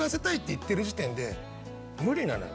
言ってる時点で無理なのよ。